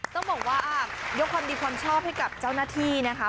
ต้องบอกว่ายกความดีความชอบให้กับเจ้าหน้าที่นะคะ